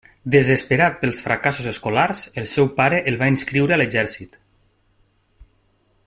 Desesperat pels fracassos escolars, el seu pare el va inscriure a l'exèrcit.